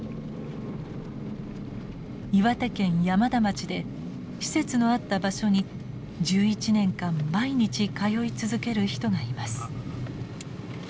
岩手県山田町で施設のあった場所に１１年間毎日通い続ける人がいます。